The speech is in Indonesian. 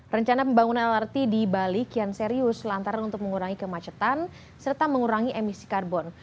rencana pembangunan lrt di bali kian serius lantaran untuk mengurangi kemacetan serta mengurangi emisi karbon